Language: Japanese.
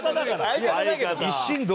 相方だけどさ。